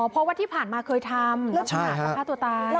อ๋อเพราะว่าที่ผ่านมาเคยทำแล้วถึงหากฆ่าตัวตาย